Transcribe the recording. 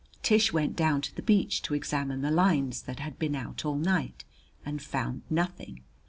Tish went down to the beach to examine the lines that had been out all night, and found nothing.